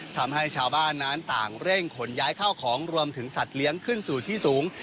ทำให้ชาวบ้านนั้นต่างเร่งขนย้ายเข้าของรวมถึงสัตว์เลี้ยงขึ้นสู่ที่สูง